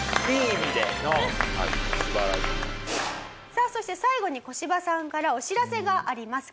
さあそして最後に小芝さんからお知らせがあります。